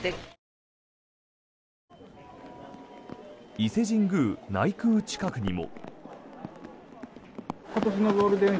伊勢神宮内宮近くにも。